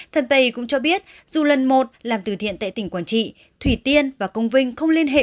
thân pay cũng cho biết dù lần một làm từ thiện tại tỉnh quảng trị thủy tiên và công vinh không liên hệ